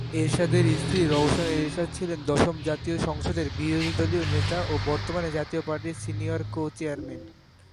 এরশাদের স্ত্রী রওশন এরশাদ ছিলেন দশম জাতীয় সংসদের বিরোধীদলীয় নেতা ও বর্তমানে জাতীয় পার্টির সিনিয়র কো-চেয়ারম্যান।